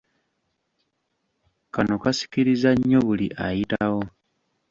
Kano kasikiriza nnyo buli ayitawo!